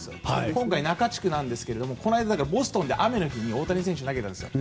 今回、中地区なんですがこの間ボストンで雨の日に大谷選手が投げたんですよ